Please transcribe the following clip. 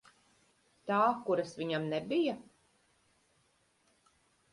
Tā, kuras viņam nebija?